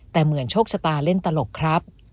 แต่เหมือนโชคชะตาเล่นตลกครับ